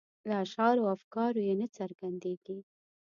له اشعارو او افکارو یې نه څرګندیږي.